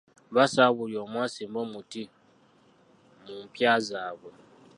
Baasaba buli omu asimbe omuti mu mpya zaabwe.